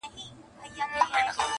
پر سينه باندي يې ايښي وه لاسونه؛